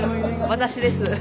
私です。